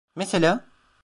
Mesela?